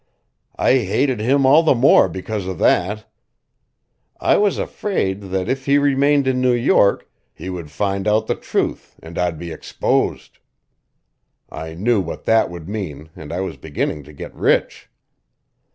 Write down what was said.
I hated him all the more because of that. I was afraid that, if he remained in New York, he would find out the truth and I'd be exposed. I knew what that would mean, and I was beginning to get rich.